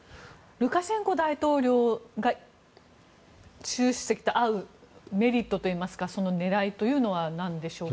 ルカシェンコ大統領が習主席と会うメリットといいますかその狙いというのはなんでしょうか？